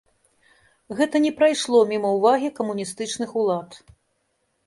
Гэта не прайшло міма ўвагі камуністычных улад.